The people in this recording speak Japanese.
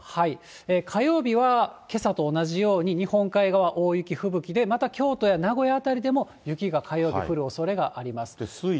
火曜日はけさと同じように、日本海側、大雪、吹雪で、また京都や名古屋辺りでも、雪が火曜日、水、木もですか。